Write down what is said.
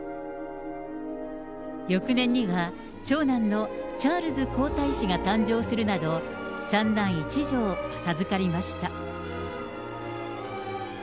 翌年には長男のチャールズ皇太子が誕生するなど、３男１女を授かりました。